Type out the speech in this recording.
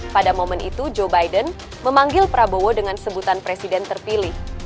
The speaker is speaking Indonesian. pada momen itu joe biden memanggil prabowo dengan sebutan presiden terpilih